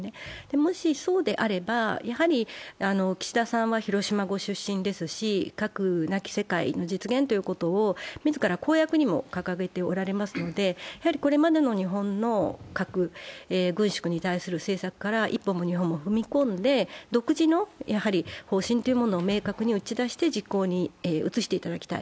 もしそうであれば、やはり岸田さんは広島のご出身ですし核なき世界の実現を自ら公約にも掲げておられますので、これまでの日本の核軍縮に対する政策から一歩も二歩も踏み込んで明確に打ち出して実行に移していただきたい。